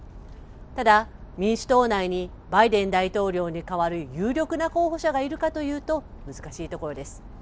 ただ、民主党内にバイデン大統領に代わる有力な候補者がいるかというと難しいところです。